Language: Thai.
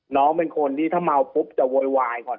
น้องเป็นคนที่ถ้าเมาปุ๊บจะโวยวายก่อน